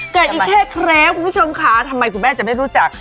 เกิดอีกแค่ครั้งคุณผู้ชมค่ะทำไมคุณแม่จะไม่รู้จัก